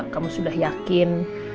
kamu sudah yakin